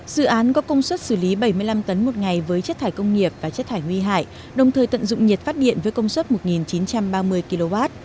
dự án có công suất xử lý bảy mươi năm tấn một ngày với chất thải công nghiệp và chất thải nguy hại đồng thời tận dụng nhiệt phát điện với công suất một chín trăm ba mươi kw